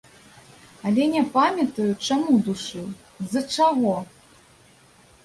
Але не памятаю, чаму душыў, з-за чаго.